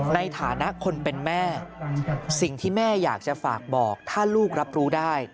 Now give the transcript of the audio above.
ในฐานะคนเป็นแม่สิ่งที่แม่อยากจะฝากบอกถ้าลูกรับรู้ได้